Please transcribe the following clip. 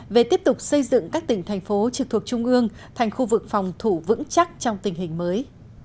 về tiếp tục xây dựng các tỉnh thành phố trực thuộc trung ương thành khu vực phòng thủ vững chắc trong tình hình mới